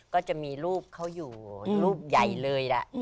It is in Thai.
ก็จะมีรูปเขาอยู่รูปใหญ่เลยล่ะ